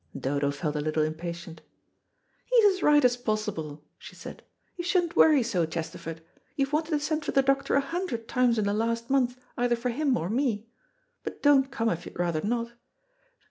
Dodo felt a little impatient. "He's as right as possible," she said. "You shouldn't worry so, Chesterford. You've wanted to send for the doctor a hundred times in the last month, either for him or me. But don't come if you'd rather not.